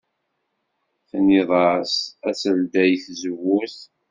Tennid-as ad teldey tazewwut.